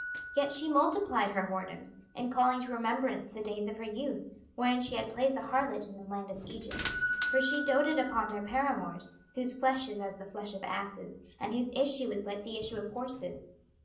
26:023:019 Yet she multiplied her whoredoms, in calling to remembrance the days of her youth, wherein she had played the harlot in the land of Egypt. 26:023:020 For she doted upon their paramours, whose flesh is as the flesh of asses, and whose issue is like the issue of horses.